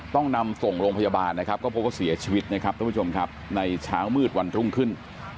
ต้องนำส่งโรงพยาบาทเพราะเสียชีวิตนะครับทุกคนในเช้ามืดวันทุ่มขึ้น